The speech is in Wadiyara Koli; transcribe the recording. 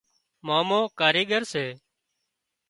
مامو ڪايڳر سي